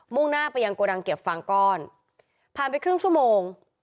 ่งหน้าไปยังโกดังเก็บฟางก้อนผ่านไปครึ่งชั่วโมง